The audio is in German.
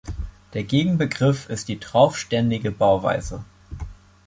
Der Gegenbegriff ist die traufständige Bauweise.